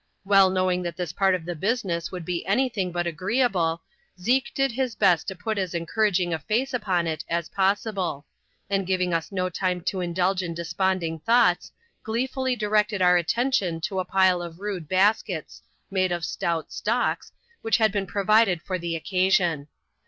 Well knowing that this part of the business would be any thing but agreeable, Zeke did his best to put as encouraging a face upon it as possible ; and giving us no time to indulge in de sponding thoughts, gleefully directed our attention to a pile of rude baskets — made of stout stalks — which had been provided for the occasion.